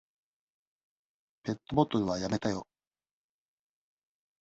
ペットボトルはやめたよ。